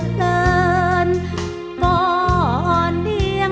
ดูเขาเล็ดดมชมเล่นด้วยใจเปิดเลิศ